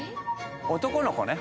男の子ね。